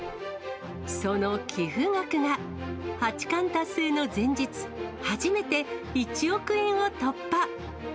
その寄付額が、八冠達成の前日、初めて１億円を突破。